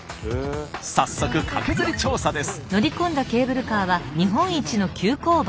早速カケズリ調査です。